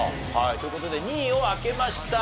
という事で２位を開けました。